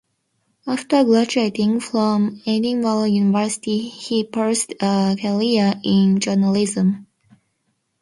After graduating from Edinburgh University he pursued a career in journalism.